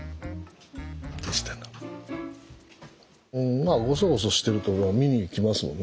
まあゴソゴソしてると見に来ますもんね。